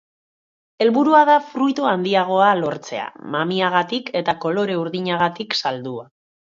Helburua da fruitu handiagoa lortzea, mamiagatik eta kolore urdinagatik saldua.